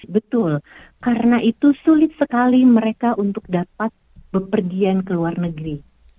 betul karena itu sulit sekali mereka untuk dapat bepergian ke luar negeri